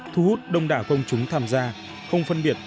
thu hút đông đảo công chúng tham gia không phân biệt